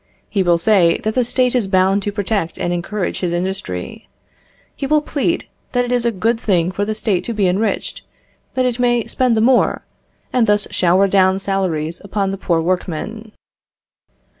He will say that the State is bound to protect and encourage his industry; he will plead that it is a good thing for the State to be enriched, that it may spend the more, and thus shower down salaries upon the poor workmen.